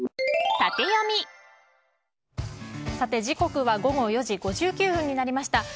時刻は午後４時５９分になりました。